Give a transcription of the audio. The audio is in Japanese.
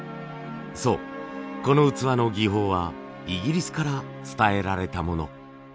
そうこの器の技法はイギリスから伝えられたもの。